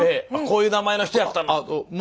あこういう名前の人やったの。